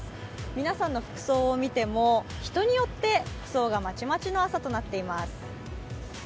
皆さんの服装を見ても、人によって服装がまちまちの朝となっています。